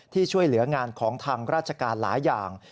ช่วยเหลืองานของทางราชการหลายอย่าง